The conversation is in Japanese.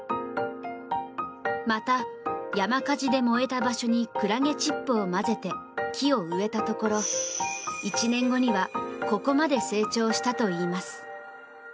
また、山火事で燃えた場所にくらげチップを混ぜて木を植えたところ、１年後にはここまで成長したといいます。